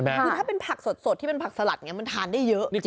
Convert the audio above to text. เพราะให้ผักสดมันปรักสลัดมันสามารถทานได้เยอะ